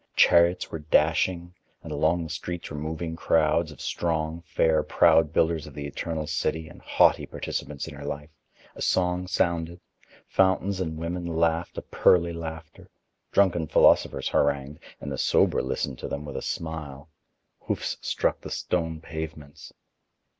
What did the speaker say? Chariots were dashing, and along the streets were moving crowds of strong, fair, proud builders of the eternal city and haughty participants in her life; a song sounded; fountains and women laughed a pearly laughter; drunken philosophers harangued, and the sober listened to them with a smile; hoofs struck the stone pavements.